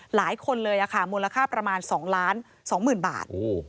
หลายคนเลยค่ะมูลค่าประมาณ๒๒๐๐๐บาท